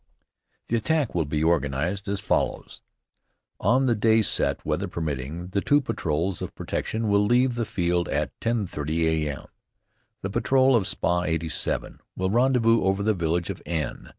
The attack will be organized as follows: on the day set, weather permitting, the two patrols of protection will leave the field at 10.30 A.M. The patrol of Spa. 87 will rendezvous over the village of N